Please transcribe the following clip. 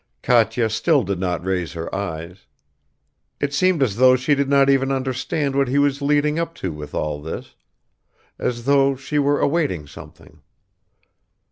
Katya still did not raise her eyes. It seemed as though she did not even understand what he was leading up to with all this, as though she were awaiting something.